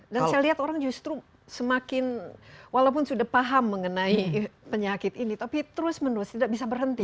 dan saya lihat orang justru semakin walaupun sudah paham mengenai penyakit ini tapi terus menerus tidak bisa berhenti